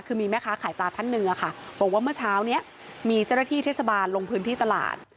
คือมีแม่ค้าขายปลาท่านหนึ่งค่ะบอกว่าเมื่อเช้านี้มีเจ้าหน้าที่เทศบาลลงพื้นที่ตลาด